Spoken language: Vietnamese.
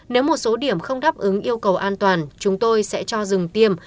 nếu một số điểm không đáp ứng yêu cầu an toàn chúng tôi sẽ cho dừng tiêm